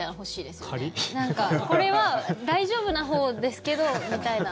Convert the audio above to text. これは大丈夫なほうですけどみたいな。